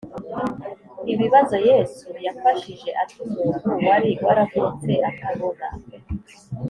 Ibibazo yesu yafashije ate umuntu wari waravutse atabona